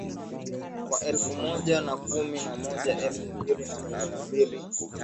wa elfu moja na kumi na moja elfu mbili na kumi na mbili